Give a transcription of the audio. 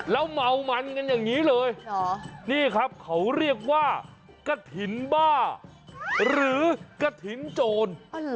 แล้วเมามันกันอย่างนี้เลยนี่ครับเขาเรียกว่ากระถิ่นบ้าหรือกระถิ่นโจร